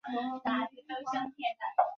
影片发表后获多项国内外奖项肯定。